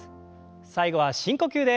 最後は深呼吸です。